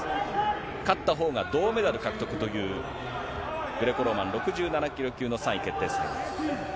勝ったほうが銅メダル獲得というグレコローマン６７キロ級の３位決定戦。